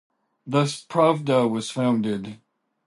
Thus "Pravda" was founded.